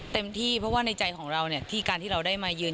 เต็มที่เพราะว่าในใจของเราเนี่ยที่การที่เราได้มายืน